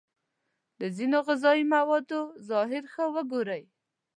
د ځینو غذايي موادو ظاهر ښه وگورئ.